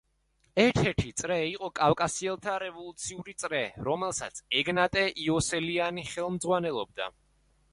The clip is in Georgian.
ერთ-ერთი წრე იყო „კავკასიელთა რევოლუციური წრე“, რომელსაც ეგნატე იოსელიანი ხელმძღვანელობდა.